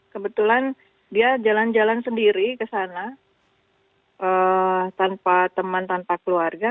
kebetulan dia jalan jalan sendiri ke sana tanpa teman tanpa keluarga